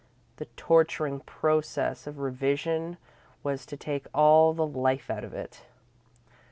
The torturing process of revision was to take all the life out of it.